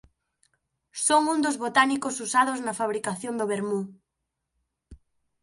Son un dos botánicos usados na fabricación do vermú.